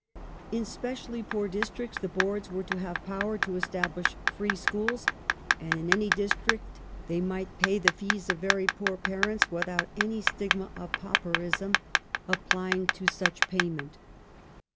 In specially poor districts the Boaixis were to have power to establish free schools, and in any district they might pay the fees of very poor parents — without any stigma of pauperism 1891] THE BILL OF 1870 401 applying to such payment.